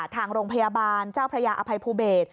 ทางโรงพยาบาลเจ้าพระยาอภัยภูเบศ